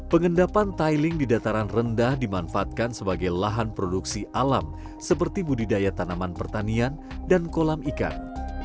pengendapan tiling di dataran rendah dimanfaatkan sebagai lahan produksi alam seperti budidaya tanaman pertanian dan kolam ikan